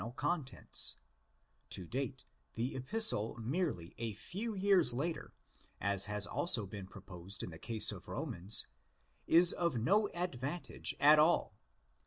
190 THE EPISTLES TO THE CORINTHIANS Epistle merely a few years later, as has also been proposed in the case of Romans, is of no advantage at all.